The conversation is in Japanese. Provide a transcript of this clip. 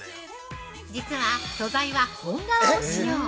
◆実は素材は本革を使用！